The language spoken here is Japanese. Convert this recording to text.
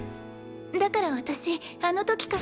だから私あの時から。